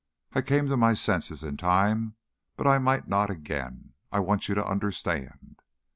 I came to my senses in time; but I might not again. I want you to understand.